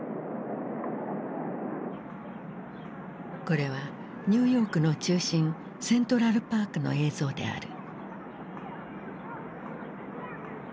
これはニューヨークの中心セントラル・パークの映像である。